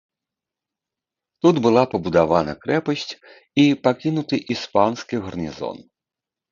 Тут была пабудавана крэпасць і пакінуты іспанскі гарнізон.